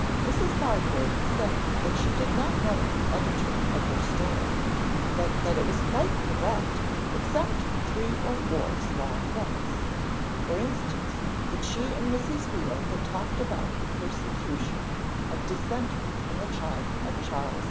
Mrs. Bargrave said that she did not know the editor of her story, but that it was quite correct except in three or four small points; for instance, that she and Mrs. Veal had talked about the persecution of Dissenters in the time of Charles II.